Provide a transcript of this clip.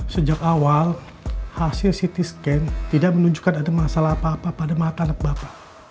sejak awal hasil ct scan tidak menunjukkan ada masalah apa apa pada mata anak bapak